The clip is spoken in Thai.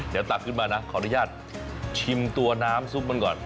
เดี๋ยวตักขึ้นมานะขออนุญาตชิมตัวน้ำซุปมันก่อน